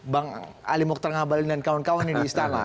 bang ali mokhtar ngabalin dan kawan kawan nih di istana